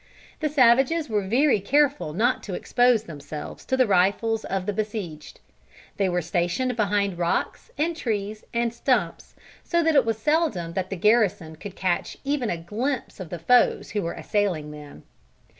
The savages were very careful not to expose themselves to the rifles of the besieged. They were stationed behind rocks, and trees, and stumps, so that it was seldom that the garrison could catch even a glimpse of the foes who were assailing them.